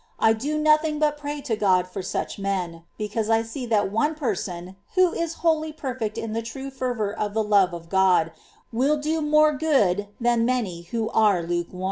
I do nothing but pray to God for such men, because I see that one person, who is wholly perfect in the true fervour of the love of God, will do more good than many who are lukewarm.